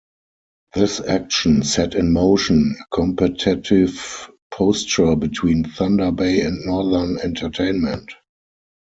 This action set in motion a competitive posture between Thunder Bay and Northern Entertainment.